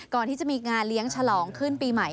ก่อนที่จะมีงานเลี้ยงฉลองขึ้นปีใหม่